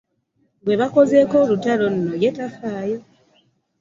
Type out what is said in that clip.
Gwe bakozeeko olutalo nno ye tafaayo.